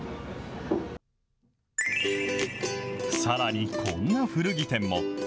さらにこんな古着店も。